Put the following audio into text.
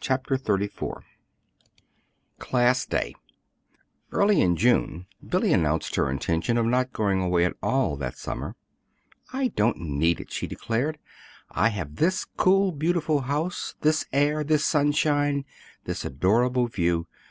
CHAPTER XXXIV CLASS DAY Early in June Billy announced her intention of not going away at all that summer. "I don't need it," she declared. "I have this cool, beautiful house, this air, this sunshine, this adorable view.